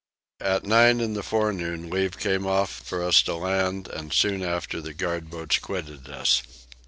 At nine in the forenoon leave came off for us to land and soon after the guard boats quitted us.